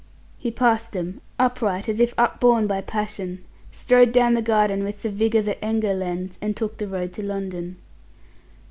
He passed them, upright, as if upborne by passion, strode down the garden with the vigour that anger lends, and took the road to London.